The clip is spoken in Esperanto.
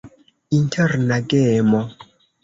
Interna gemo.